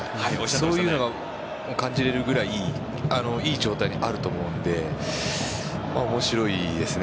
そういうのを感じられるくらい良い状態にあると思うので面白いですね